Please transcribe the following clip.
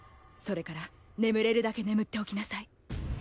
それから眠れるだけ眠っておきなさい。